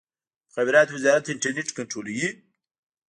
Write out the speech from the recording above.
د مخابراتو وزارت انټرنیټ کنټرولوي؟